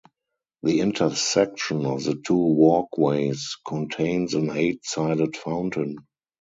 The intersection of the two walkways contains an eight-sided fountain.